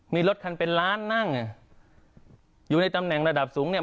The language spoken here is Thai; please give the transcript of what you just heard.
มีรถคันเป็นล้านนั่งอ่ะอยู่ในตำแหน่งระดับสูงเนี่ย